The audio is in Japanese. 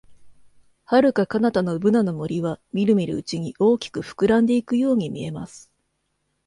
遥か彼方のブナの森は、みるみるうちに大きく膨らんでいくように見えます。